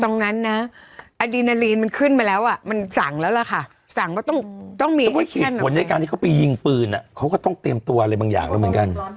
ตรงนั้นนะอดีคะลีนมันขึ้นมาแล้วอ่ะมันสั่งแล้วล่ะค่ะตั้งกับต้องต้องมี